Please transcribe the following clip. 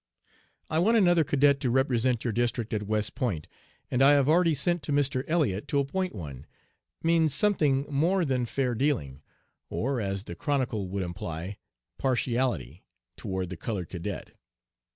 "'I want another cadet to represent your district at West Point, and I have already sent to Mr. Elliott to appoint one,' means something more than fair dealing (or, as the Chronicle would imply, partiality) toward the colored cadet.